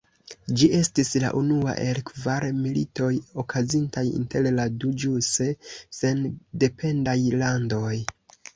Ĝi estis la unua el kvar militoj okazintaj inter la du ĵuse sendependaj landoj.